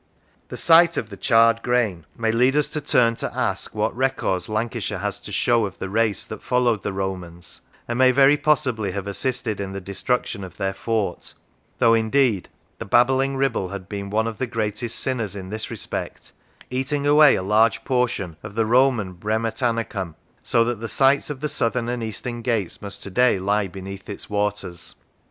The sight of the charred grain, again, may lead 46 How It Came into Being us to turn to ask what records Lancashire has to show of the race that followed the Romans, and may very possibly have assisted in the destruction of their fort : though, indeed, the babbling Kibble has been one of the greatest sinners in this respect, eating away a large portion of the Roman Bremetennacum, so that the sites of the southern and eastern gates must to day lie beneath its waters.